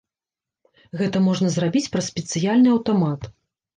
Гэта можна зрабіць праз спецыяльны аўтамат.